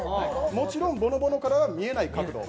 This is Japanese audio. もちろん、ぼのぼのからは見えない角度。